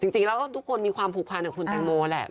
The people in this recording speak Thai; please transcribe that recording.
จริงแล้วทุกคนมีความผูกพันกับคุณแตงโมแหละ